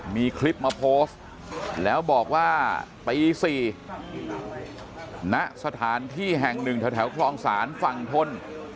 มีคลิปมาโพสต์แล้วบอกว่าตี๔ณสถานที่แห่งหนึ่งแถวคลองศาลฝั่งทน